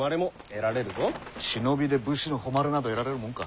忍びで武士の誉れなど得られるもんか。